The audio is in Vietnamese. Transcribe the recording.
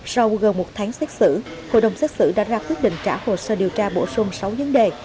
sau gần một tháng xét xử hội đồng xét xử đã ra quyết định trả hồ sơ điều tra bổ sung sáu vấn đề